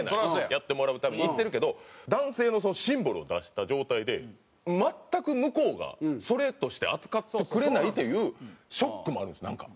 やってもらうために行ってるけど男性のシンボルを出した状態で全く向こうがそれとして扱ってくれないというショックもあるんですなんか。